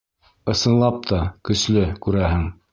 Ысынлап та, көслө, күрәһең.